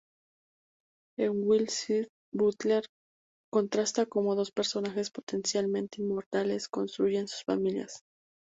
En "Wild Seed", Butler contrasta cómo dos personajes potencialmente inmortales construyen sus familias.